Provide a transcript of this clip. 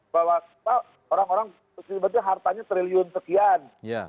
bahwa orang orang sebetulnya hartanya triliun sekian